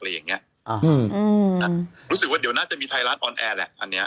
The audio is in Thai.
รู้สึกว่าเดี๋ยวน่าจะมีไทยรัฐออนแอร์แหละอันนี้